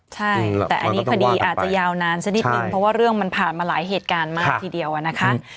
ใช่แต่อันนี้คดีอาจจะยาวนานสักนิดนึงเพราะว่าเรื่องมันผ่านมาหลายเหตุการณ์มากทีเดียวนะคะ